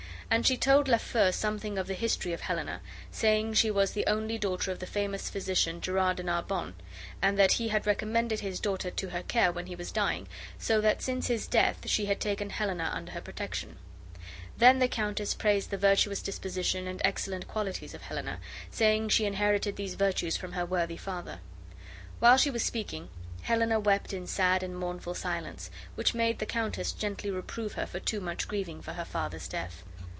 And she told Lafeu something of the history of Helena, saying she was the only daughter of the famous physician, Gerard de Narbon, and that he had recommended his daughter to her care when he was dying, so that since his death she had taken Helena under her protection; then the countess praised the virtuous disposition and excellent qualities of Helena, saying she inherited these virtues from her worthy father. While she was speaking, Helena wept in sad and mournful silence, which made the countess gently reprove her for too much grieving for her father's death.